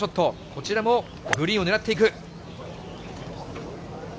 こちらもグリーンを狙っていく。